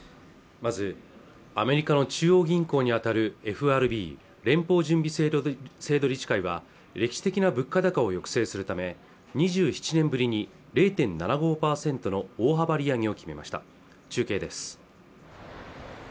アメリカの中央銀行にあたるＦＲＢ＝連邦準備制度理事会は歴史的な物価高を抑制するため２７年ぶりに０．７５％の大幅利上げを決めました中継です